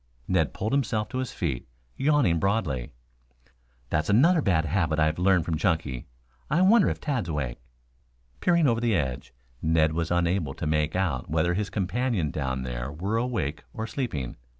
Ned pulled himself to his feet, yawning broadly. "That's another bad habit I have learned from Chunky. I wonder if Tad's awake." Peering over the edge, Ned was unable to make out whether his companion down there were awake or sleeping.